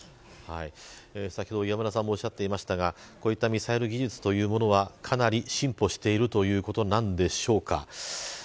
先ほど、磐村さんもおっしゃっていましたがミサイル技術というものはかなり進歩しているということなんでしょうか。